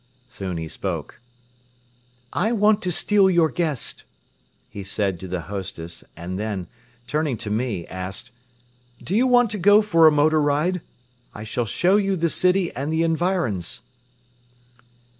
Soon he spoke: "I want to steal your guest," he said to the hostess and then, turning to me, asked: "Do you want to go for a motor ride? I shall show you the city and the environs."